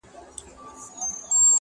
انساني حقونه تر پښو للاندي کيږي,